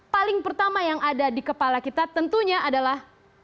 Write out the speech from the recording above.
paling pertama yang ada di kepala kita tentunya adalah